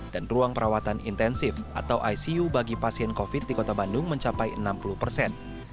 dan ruang perawatan intensif atau icu bagi pasien covid di kota bandung mencapai enam puluh persen